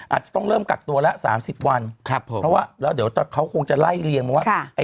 อาจจะต้องเริ่มกักตัวละ๓๐วันเพราะว่าเขาคงจะไล่เรียงมาว่า